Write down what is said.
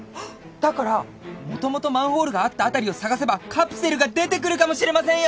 だからもともとマンホールがあった辺りを捜せばカプセルが出てくるかもしれませんよ！